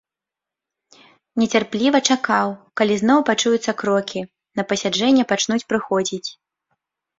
Нецярпліва чакаў, калі зноў пачуюцца крокі, на пасяджэнне пачнуць прыходзіць.